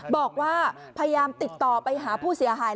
บอกว่าพยายามติดต่อไปหาผู้เสียหาย